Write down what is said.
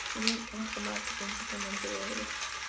Tiene un plumaje principalmente verde.